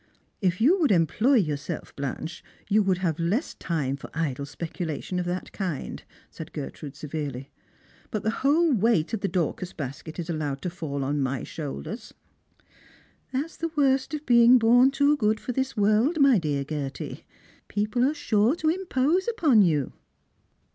" If you would employ yourself, Blanche, you would have less time for idle speculations of that kind," said Gertrude, severely ;" but the whole weight of the Dorcas basket is allowed to fall on my shoulders." " That's the worst of being bom too good for this world, my dear Gerty; people are sure to impose upon you."